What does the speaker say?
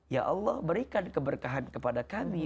ya allah berikan keberkahan kepada kami